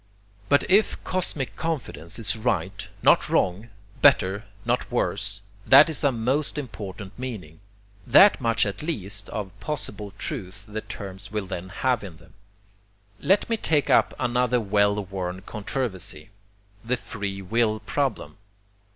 But if cosmic confidence is right not wrong, better not worse, that is a most important meaning. That much at least of possible 'truth' the terms will then have in them. Let me take up another well worn controversy, THE FREE WILL PROBLEM.